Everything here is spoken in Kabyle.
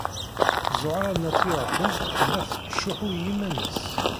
Ẓuhṛa n At Yiraten tella tettcuḥḥu i yiman-nnes.